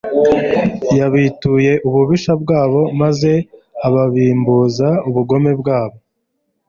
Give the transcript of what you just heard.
yabituye ububisha bwabo, maze abarimbuza ubugome bwabo